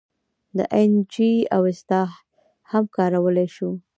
د این جي او اصطلاح هم کارولی شو.